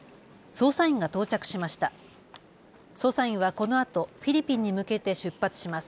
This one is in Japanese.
捜査員はこのあとフィリピンに向けて出発します。